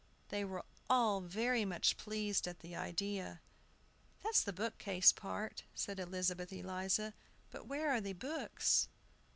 They were all very much pleased at the idea. "That's the book case part," said Elizabeth Eliza; "but where are the books?"